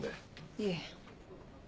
いえ。